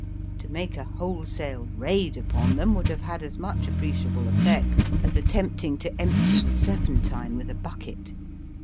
To make a whole sale raid upon them would have had as much appreciable eflfect as attempting to empty the Serpentine with a bucket.